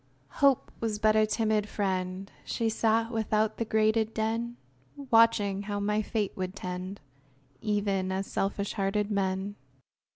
Hope Was but a timid friend; She sat without the grated den, Watching how my fate would tend, Even as selfish hearted men.